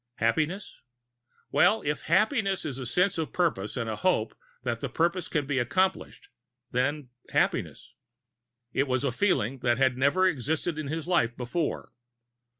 Happiness? Well, if "happiness" is a sense of purpose, and a hope that the purpose can be accomplished, then happiness. It was a feeling that had never existed in his life before.